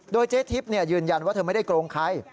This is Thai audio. โดยเจ๊ทิพย์ยืนยันว่าเธอไม่ได้โกงใคร